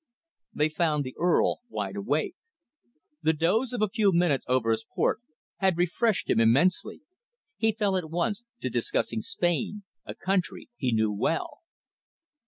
They found the Earl wide awake. The doze of a few minutes over his port had refreshed him immensely. He fell at once to discussing Spain, a country he knew well.